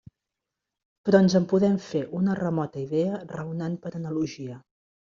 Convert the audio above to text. Però ens en podem fer una remota idea raonant per analogia.